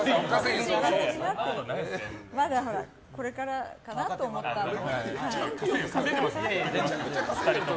まだほらこれからかなと思ったので。